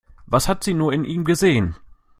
Was hat sie nur in ihm gesehen?